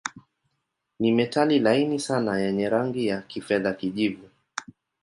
Ni metali laini sana yenye rangi ya kifedha-kijivu.